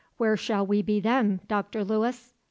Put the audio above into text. "Where shall we be then, Doctor Lewis?"